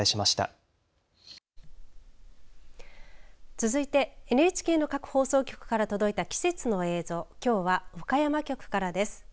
続いてＮＨＫの各放送局から届いた季節の映像きょうは岡山局からです。